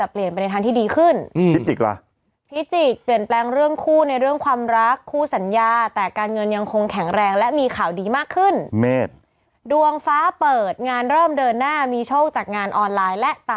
พฤศพชีวิตปรับเปลี่ยนเรื่องของตัวเองและงานที่รับผิดชอบ